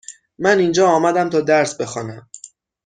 من اینجا آمدم تا درس بخوانم.